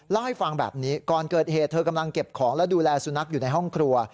เล่าให้ฟังแบบนี้ก่อนเกิดเหตุเธอกำลังเก็บของและดูแลสุนัขอยู่ในห้องครัว